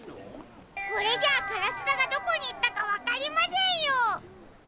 これじゃあからすだがどこにいったかわかりませんよ。